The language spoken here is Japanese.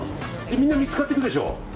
みんな３つ買ってくでしょ。